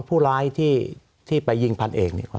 สวัสดีครับทุกคน